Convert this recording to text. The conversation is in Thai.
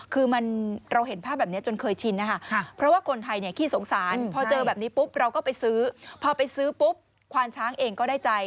คือเราเห็นภาพแบบนี้จนเคยชิน